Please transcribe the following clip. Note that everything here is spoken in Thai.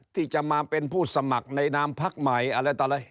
ที่จะมาเป็นผู้สมัครในนามพักใหม่อะไรต่ออะไร